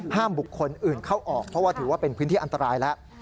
บุคคลอื่นเข้าออกเพราะว่าถือว่าเป็นพื้นที่อันตรายแล้ว